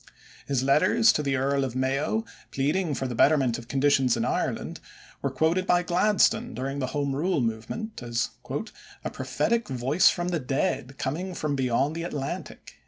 His letters to the Earl of Mayo, pleading for the betterment of conditions in Ireland, were quoted by Gladstone during the Home Rule movement as "a prophetic voice from the dead coming from beyond the Atlantic."